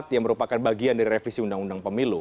yang merupakan bagian dari revisi undang undang pemilu